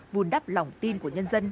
vùn đắp lỏng tin của nhân dân